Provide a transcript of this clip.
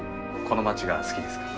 この街が好きですか？